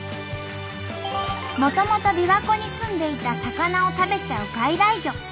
もともとびわ湖に住んでいた魚を食べちゃう外来魚。